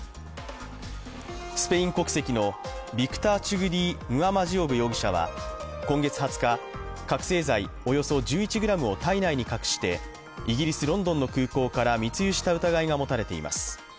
スペイン国籍のビクター・チュクディ・ンワマジオブ容疑者は、今月２０日、覚醒剤およそ１１ｇを体内に隠してイギリス・ロンドンの空港から密輸した疑いが持たれています。